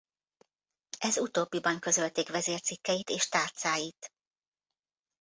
Ez utóbbiban közölték vezércikkeit és tárcáit.